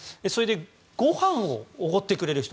ごはんをおごってくれる人